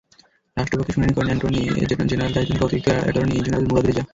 রাষ্ট্রপক্ষে শুনানি করেন অ্যাটর্নি জেনারেলের দায়িত্বে থাকা অতিরিক্ত অ্যাটর্নি জেনারেল মুরাদ রেজা।